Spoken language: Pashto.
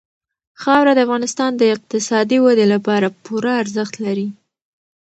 خاوره د افغانستان د اقتصادي ودې لپاره پوره ارزښت لري.